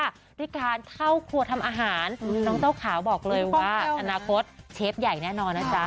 ด้วยการเข้าครัวทำอาหารน้องเจ้าขาวบอกเลยว่าอนาคตเชฟใหญ่แน่นอนนะจ๊ะ